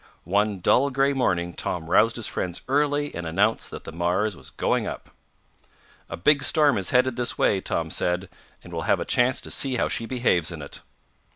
One dull gray morning Tom roused his friends early and announced that the Mars was going up. "A big storm is headed this way," Tom said, "and we'll have a chance to see how she behaves in it."